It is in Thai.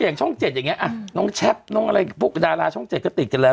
เก่งช่องเจ็ดอย่างเงี้ยอ่ะน้องแชปน้องอะไรพวกดาราช่องเจ็ดก็ติดกันแล้ว